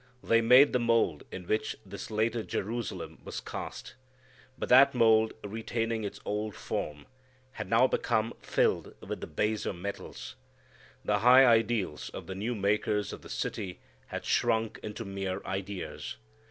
They made the mould in which this later Jerusalem was cast. But that mould retaining its old form, had now become filled with the baser metals. The high ideals of the new makers of the city had shrunk into mere ideas.